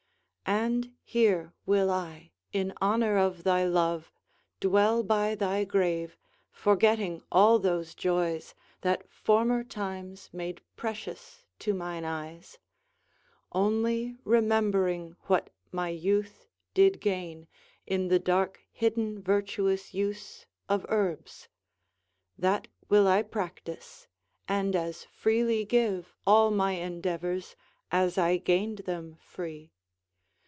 And here will I, in honor of thy love, Dwell by thy grave, forgetting all those joys That former times made precious to mine eyes, Only remembering what my youth did gain In the dark hidden virtuous use of herbs. That will I practice, and as freely give All my endeavors, as I gained them free.